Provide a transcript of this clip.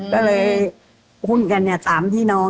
ก็เลยหุ้นกัน๓พี่น้อง